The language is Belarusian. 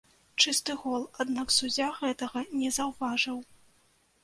Чысты гол, аднак суддзя гэтага не заўважыў.